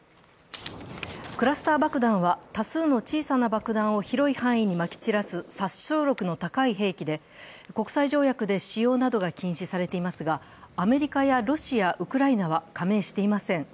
クラスター爆弾は多数の小さな爆弾を広い範囲にまき散らす殺傷力の高い兵器で、国際条約で使用などが禁止されていますが、アメリカやロシア、ウクライナは加盟していません。